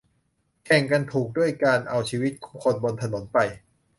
แข่งกันถูกด้วยการเอาชีวิตคนบนถนนไป